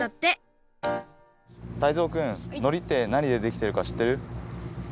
タイゾウくんのりってなにでできてるかしってる？